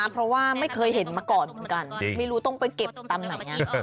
เพราะว่าไม่เคยเห็นมาก่อนเหมือนกันไม่รู้ต้องไปเก็บตามไหน